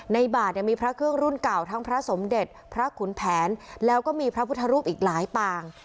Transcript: บาทเนี่ยมีพระเครื่องรุ่นเก่าทั้งพระสมเด็จพระขุนแผนแล้วก็มีพระพุทธรูปอีกหลายปาง